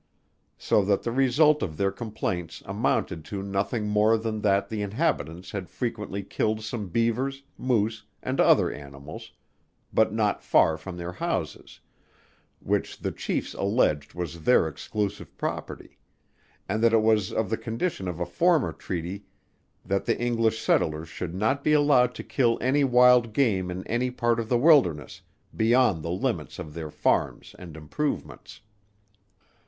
So that the result of their complaints, amounted to nothing more than that the inhabitants had frequently killed some Beavers, Moose, and other animals, but not far from their houses, which the Chiefs alleged was their exclusive property; and that it was of the condition of a former treaty that the English settlers should not be allowed to kill any wild game in any part of the wilderness, beyond the limits of their farms and improvements.